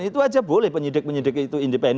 itu aja boleh penyidik penyidik itu independen